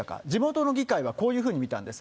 地元の議会はこういうふうに見たんです。